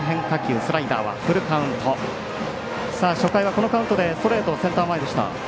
初回は、このカウントでストレートをセンター前でした。